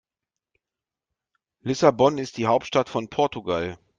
Lissabon ist die Hauptstadt von Portugal.